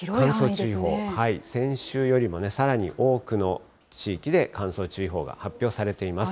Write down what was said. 先週よりも、さらに多くの地域で乾燥注意報が発表されています。